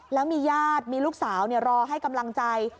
แล้วมีญาติมีลูกสาวรอให้กำลังใจ